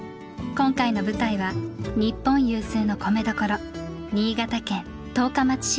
今回の舞台は日本有数の米どころ新潟県十日町市です。